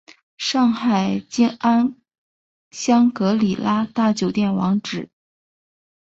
上海静安香格里拉大酒店网址